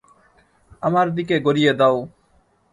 আমার দিকে গড়িয়ে দাও।